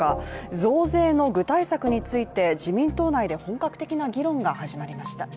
増税の具体策について自民党内で本格的な議論が始まりました。